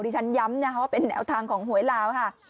ฉันย้ำนะคะว่าเป็นแนวทางของหวยลาวค่ะ